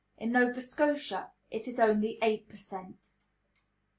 In Nova Scotia it is only eight per cent.